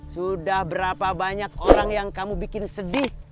sudah berapa banyak orang yang kamu bikin sedih